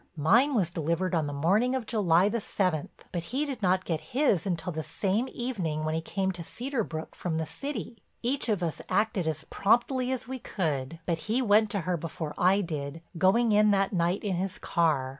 Mine was delivered on the morning of July the seventh but he did not get his until the same evening when he came to Cedar Brook from the city. Each of us acted as promptly as we could, but he went to her before I did, going in that night in his car.